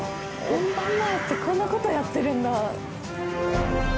本番前ってこんなことやってるんだ。